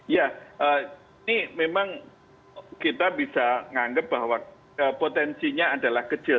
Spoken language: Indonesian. ya ini memang kita bisa menganggap bahwa potensinya adalah kecil